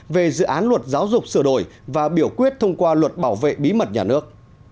về dự án luật giáo dục sửa đổi và biểu quyết thông qua luật bảo vệ bí mật nhà nước